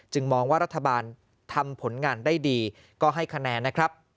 มองว่ารัฐบาลทำผลงานได้ดีก็ให้คะแนนนะครับ